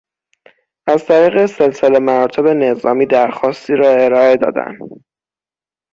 از طریق سلسله مراتب نظامی درخواستی را ارائه دادن